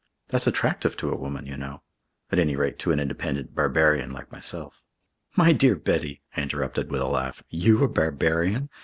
That's attractive to a woman, you know. At any rate, to an independent barbarian like myself " "My dear Betty," I interrupted with a laugh. "You a barbarian?